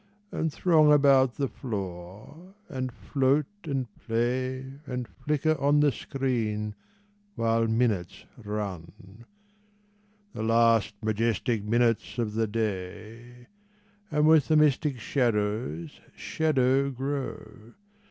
And throng about the floor, and float and play And flicker on the screen, while minutes run — The last majestic minutes of the day — And with the mystic shadows. Shadow grow.